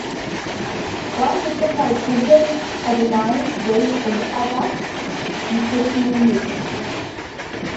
One nucleotide contains an adenine base and the other nicotinamide.